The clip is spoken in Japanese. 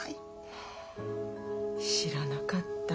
知らなかった。